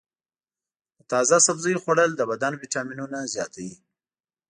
د تازه سبزیو خوړل د بدن ویټامینونه زیاتوي.